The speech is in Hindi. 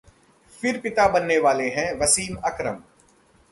फिर पिता बनने वाले हैं वसीम अकरम